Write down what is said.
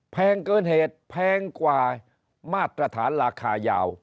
แพงเกินเหตุแพงกว่ามาตรฐานราคายาว